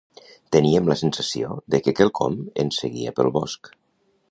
Teníem la sensació de què quelcom ens seguia pels bosc.